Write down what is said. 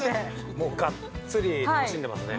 ◆もうがっつり楽しんでますね。